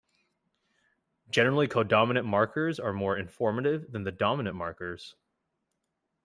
Generally co-dominant markers are more informative than the dominant markers.